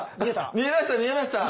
見えました見えました。